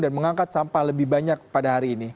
dan mengangkat sampah lebih banyak pada hari ini